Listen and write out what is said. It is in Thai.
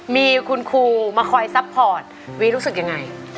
มีคุณครูมาคอยซัพพอร์ตวีรู้สึกยังไง